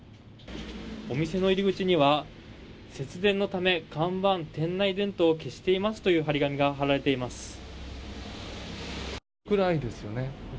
お店の入り口には節電のため看板店内電灯を消していますという張り紙が貼られています。